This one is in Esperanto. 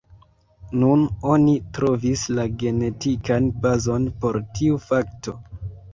Nun oni trovis la genetikan bazon por tiu fakto.